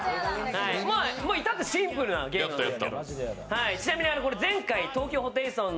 至ってシンプルなゲームなんです。